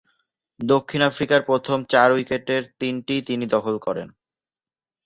দক্ষিণ আফ্রিকার প্রথম চার উইকেটের তিনটিই তিনি দখল করেন।